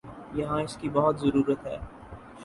یہاں اس کی بہت ضرورت ہے۔